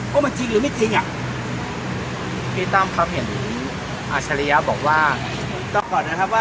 เขาอยากจะเป็นพลิงแหละเพราะอะไรผมไม่รู้น่ะ